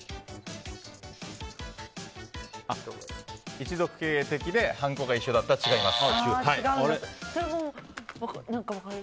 一族経営的ではんこが一緒だった違います。